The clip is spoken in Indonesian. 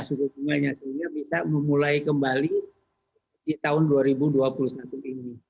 suku bunganya sehingga bisa memulai kembali di tahun dua ribu dua puluh satu ini